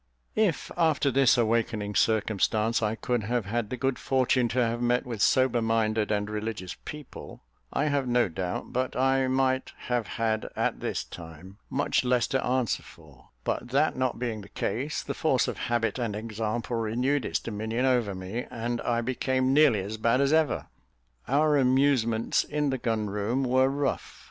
If after this awakening circumstance, I could have had the good fortune to have met with sober minded and religious people, I have no doubt but I might have had at this time much less to answer for; but that not being the case, the force of habit and example renewed its dominion over me, and I became nearly as bad as ever. Our amusements in the gun room were rough.